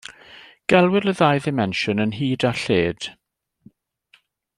Gelwir y ddau ddimensiwn yn hyd a lled.